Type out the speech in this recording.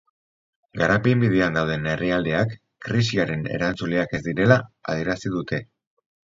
Garapen-bidean dauden herrialdeak krisiaren erantzuleak ez direla adierazi dute.